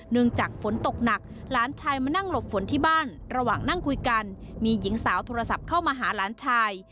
จากฝนตกหนักหลานชายมานั่งหลบฝนที่บ้านระหว่างนั่งคุยกันมีหญิงสาวโทรศัพท์เข้ามาหาหลานชาย